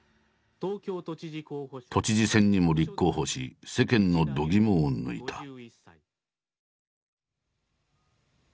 都知事選にも立候補し世間のどぎもを抜いた。